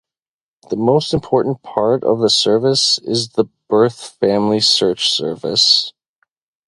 The most important part of the services is the Birth Family Search service.